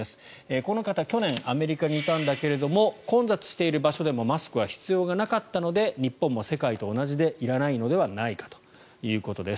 この方は去年アメリカにいたんだけれど混雑している場所でもマスクは必要なかったので日本も世界と同じでいらないのではないかということです。